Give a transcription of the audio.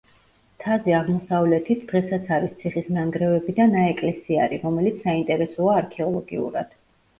მთაზე აღმოსავლეთით დღესაც არის ციხის ნანგრევები და ნაეკლესიარი, რომელიც საინტერესოა არქეოლოგიურად.